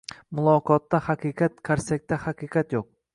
Muloqotda haqiqat, qarsakda haqiqat yoʻq.